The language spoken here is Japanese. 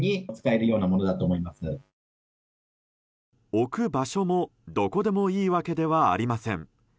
置く場所もどこでもいいわけではありません。